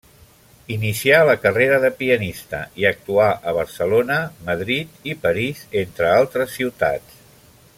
Inicià la carrera de pianista i actuà a Barcelona, Madrid i París, entre altres ciutats.